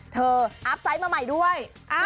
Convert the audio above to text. อัพไซต์มาใหม่ด้วย